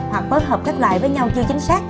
hoặc phối hợp các loại với nhau chưa chính xác